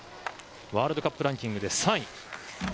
ワールドカップランキングで３位。